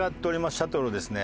シャトルをですね